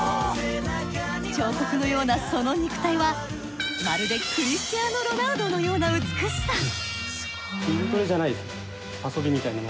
彫刻のようなその肉体はまるでクリスティアーノ・ロナウドのような美しさ。